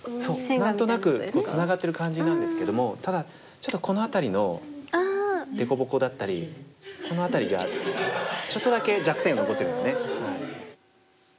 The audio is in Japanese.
何となくツナがってる感じなんですけどもただちょっとこの辺りの凸凹だったりこの辺りがちょっとだけ弱点が残ってるんですね。